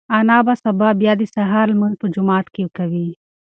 انا به سبا بیا د سهار لمونځ په جومات کې کوي.